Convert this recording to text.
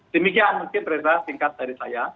demikian mungkin perintah singkat dari saya